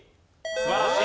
素晴らしい！